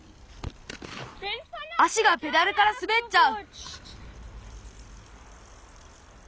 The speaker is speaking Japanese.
足がペダルからすべっちゃう！